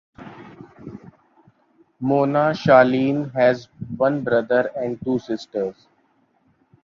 Mona Sahlin has one brother and two sisters.